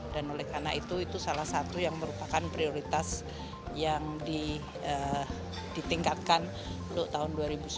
dan oleh karena itu itu salah satu yang merupakan prioritas yang ditingkatkan untuk tahun dua ribu sembilan belas